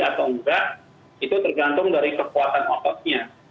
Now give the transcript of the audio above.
atau enggak itu tergantung dari kekuatan ototnya